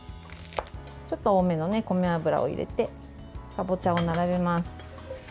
ちょっと多めの米油を入れてかぼちゃを並べます。